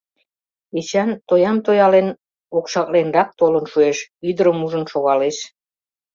Эчан, тоям тоялен, окшакленрак толын шуэш, ӱдырым ужын шогалеш.